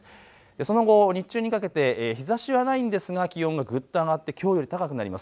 その後、日中にかけて日ざしはないんですが気温がぐっと上がってきょうより高くなります。